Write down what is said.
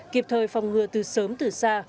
kịp thời phòng ngừa từ sớm từ xa